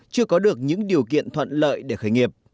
chưa có được những điều kiện thuận lợi để khởi nghiệp